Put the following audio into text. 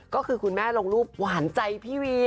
ก็คือคุณแม่ลงรูปหวานใจพี่วี